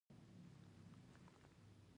ښځه د ژوند د ټاکلو حق لري.